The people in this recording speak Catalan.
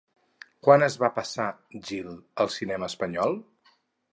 Quan es va passar Gil al cinema espanyol?